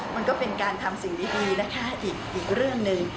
มันก็เป็นการทำสิ่งดีนะคะอีกเรื่องหนึ่ง